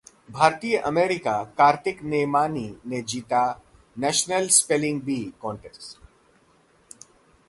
भारतीय-अमेरिकी कार्तिक नेम्मानी ने जीता ‘national spelling bee’ contest